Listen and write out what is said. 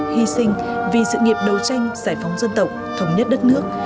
hy sinh vì sự nghiệp đấu tranh giải phóng dân tộc thống nhất đất nước